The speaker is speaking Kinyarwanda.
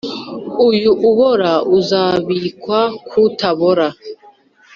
Uyu Ubora Uzambikwa Kutabora